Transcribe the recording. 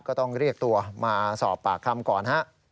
ก็ต้องเรียกตัวมาสอบปากคำก่อนฮะ